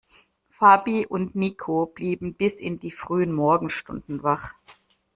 Fabi und Niko blieben bis in die frühen Morgenstunden wach.